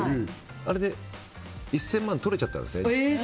あれで１０００万とれちゃったんです。